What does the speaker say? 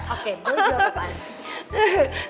oke boy jawab apaan